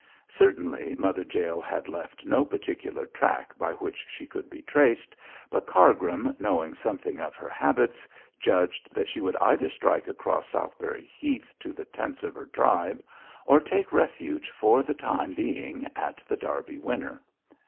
Certainly Mother Jael had left no particular track by which she could be traced, but Cargrim, knowing something of her habits, judged that she would either strike across Southberry Heath to the tents of her tribe or take refuge for the time being at The Derby Winner.